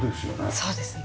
そうですね。